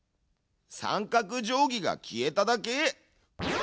三角定規が消えただけ？